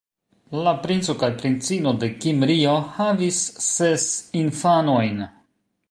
La princo kaj princino de Kimrio havis ses infanojn.